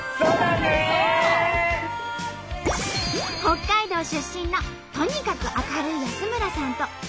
北海道出身のとにかく明るい安村さんと高田秋さん。